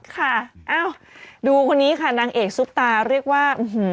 ค่ะเอ้าดูคนนี้ค่ะนางเอกซุปตาเรียกว่า